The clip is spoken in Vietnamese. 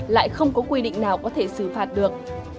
lại không có quy định nào có thể xử phạt được